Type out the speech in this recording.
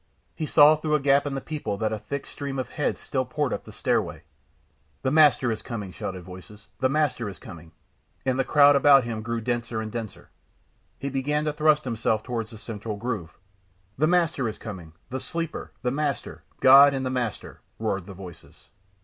He saw through a gap in the people that a thick stream of heads still poured up the stairway. "The Master is coming," shouted voices, "the Master is coming," and the crowd about him grew denser and denser. He began to thrust himself towards the central groove. "The Master is coming!" "The Sleeper, the Master!" "God and the Master!" roared the voices.